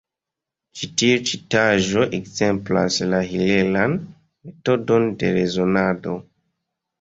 Ĉi tiu citaĵo ekzemplas la hilelan metodon de rezonado.